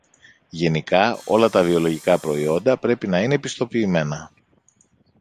Γενικά, όλα τα βιολογικά προϊόντα πρέπει να είναι πιστοποιημένα